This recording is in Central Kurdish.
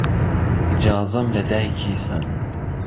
ئیجازەم لە دایکی سەن